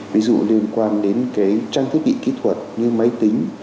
ví dụ liên quan đến trang thiết bị kỹ thuật như máy tính